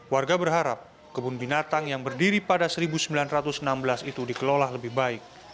warga berharap kebun binatang yang berdiri pada seribu sembilan ratus enam belas itu dikelola lebih baik